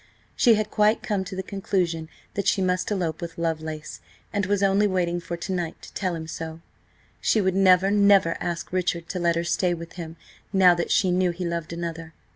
She had quite come to the conclusion that she must elope with Lovelace, and was only waiting for to night to tell him so. She would never, never ask Richard to let her stay with him now that she knew he loved another.